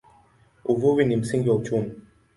Uvuvi ni msingi wa uchumi.